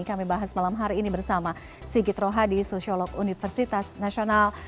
kami bahas malam hari ini bersama sigit rohadi sosiolog universitas nasional